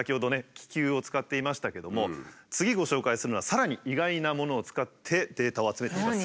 気球を使っていましたけども次ご紹介するのはさらに意外なものを使ってデータを集めています。